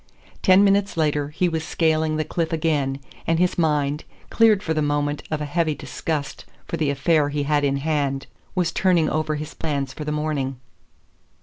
Ten minutes later he was scaling the cliff again, and his mind, cleared for the moment of a heavy disgust for the affair he had in hand, was turning over his plans for the morning.